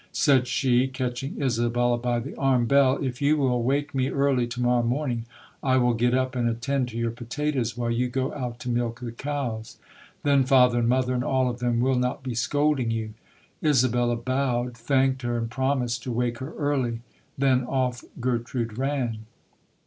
Said she, catching Isabella by the arm, "Bell, if you will wake me early tomorrow morning, I will get up and attend to your potatoes while you go out to milk the cows. Then Father and Mother and all of them will not be scolding you". Isabella bowed, thanked her and promised to wake her early; then off Ger trude ran.